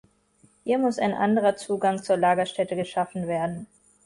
Hier muss ein anderer Zugang zur Lagerstätte geschaffen werden.